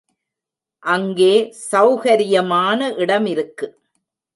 அங்கே செளகரியமான இடமிருக்கு.